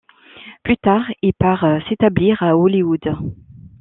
Plus tard il part s'établir à Hollywood.